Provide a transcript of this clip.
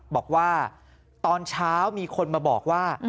บอกว่าตอนเช้ามีคนมาบอกว่า